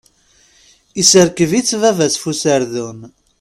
Iserkeb-itt baba-s f userdun.